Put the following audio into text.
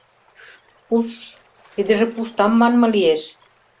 — Пушш... — тидыже пуштам манме лиеш.